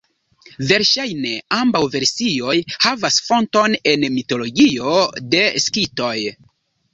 Verŝajne ambaŭ versioj havas fonton en mitologio de Skitoj.